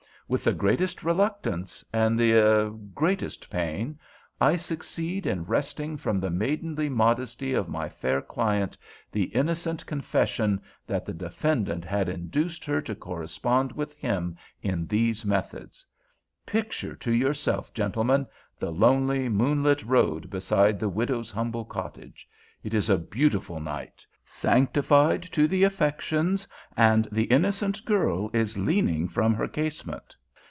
With the greatest reluctance, and the—er—greatest pain, I succeeded in wresting from the maidenly modesty of my fair client the innocent confession that the defendant had induced her to correspond with him in these methods. Picture to yourself, gentlemen, the lonely moonlight road beside the widow's humble cottage. It is a beautiful night, sanctified to the affections, and the innocent girl is leaning from her casement.